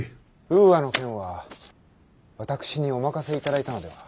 「ウーアの件は私にお任せいただいたのでは？」。